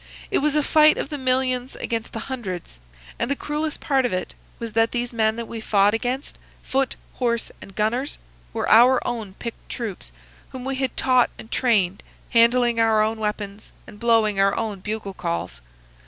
It was a fight of the millions against the hundreds; and the cruellest part of it was that these men that we fought against, foot, horse, and gunners, were our own picked troops, whom we had taught and trained, handling our own weapons, and blowing our own bugle calls.